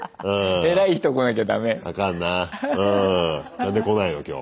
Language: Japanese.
何で来ないの今日。